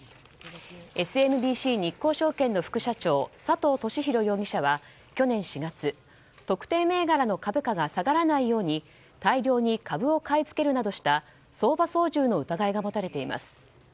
ＳＭＢＣ日興証券の副社長佐藤俊弘容疑者は去年４月、特定銘柄の株価が下がらないように大量に株を買い付けるなどした相場操縦の疑いが持たれています。